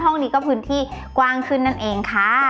ห้องนี้ก็พื้นที่กว้างขึ้นนั่นเองค่ะ